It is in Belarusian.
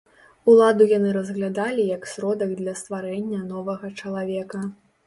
Уладу яны разглядалі як сродак для стварэння новага чалавека.